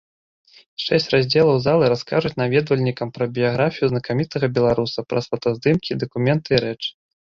Шэсць раздзелаў залы раскажуць наведвальнікам пра біяграфію знакамітага беларуса праз фотаздымкі, дакументы і рэчы.